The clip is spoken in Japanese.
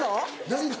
何が？